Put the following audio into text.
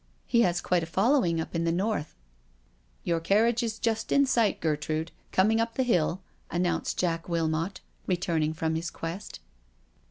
He has quite a following up in the North." " Your carriage is just in sight, Gertrude — coming up the hill/' announced Jack Wilmot, returning from his quest.